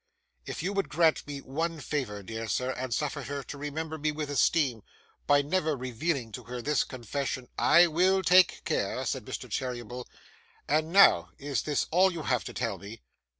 'If you would grant me one favour, dear sir, and suffer her to remember me with esteem, by never revealing to her this confession ' 'I will take care,' said Mr. Cheeryble. 'And now, is this all you have to tell me?